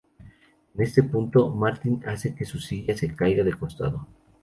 En este punto, Martin hace que su silla se caiga de costado.